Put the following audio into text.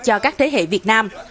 cho các thế hệ việt nam